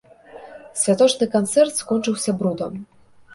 Святочны канцэрт скончыўся брудам.